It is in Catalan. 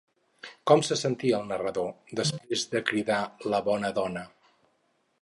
Com se sentia el narrador després de cridar la bona dona?